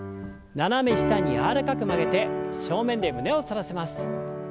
斜め下に柔らかく曲げて正面で胸を反らせます。